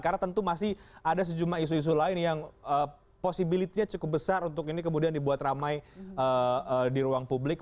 karena tentu masih ada sejumlah isu isu lain yang posibilitnya cukup besar untuk ini kemudian dibuat ramai di ruang publik